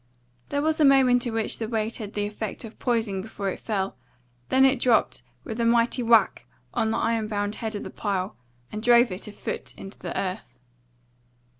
There was a moment in which the weight had the effect of poising before it fell; then it dropped with a mighty whack on the iron bound head of the pile, and drove it a foot into the earth.